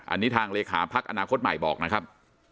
อันนี้ทางเลขาพอนคบอกนะครับ